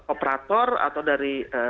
operator atau dari